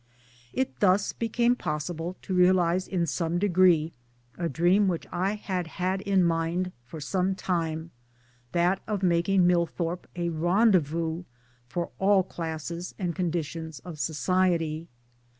It thus became possible to realize in some degree a dream which I had had in mind for some time that of making Millthorpe a rendezvous for all classes and conditions of society.